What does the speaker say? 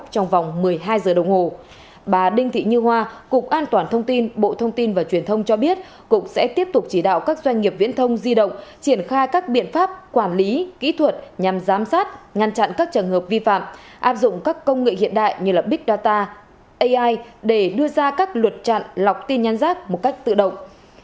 trong vòng một mươi hai giờ đồng hồ bà đinh thị như hoa cục an toàn thông tin bộ thông tin và truyền thông cho biết cục sẽ tiếp tục chỉ đạo các doanh nghiệp viễn thông di động triển khai các biện pháp quản lý kỹ thuật nhằm giám sát ngăn chặn các trường hợp vi phạm áp dụng các công nghệ hiện đại như big data ai để đưa ra các luật chặn lọc tin nhắn giác một cách tự động